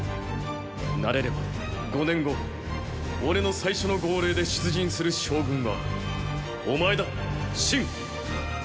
なれれば五年後俺の最初の号令で出陣する将軍はお前だ信。